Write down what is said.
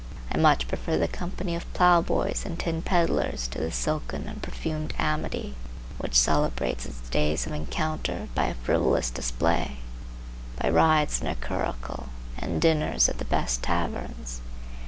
I much prefer the company of ploughboys and tin peddlers to the silken and perfumed amity which celebrates its days of encounter by a frivolous display, by rides in a curricle and dinners at the best taverns.